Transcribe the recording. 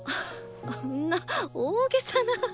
んな大げさな。